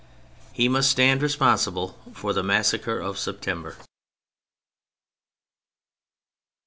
He must stand responsible for the massacres of September.